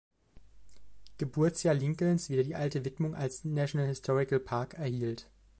Geburtsjahr Lincolns wieder die alte Widmung als "National Historical Park" erhielt.